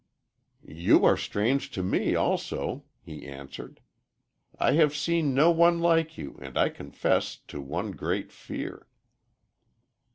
"You are strange to me also," he answered. "I have seen no one like you, and I confess to one great fear."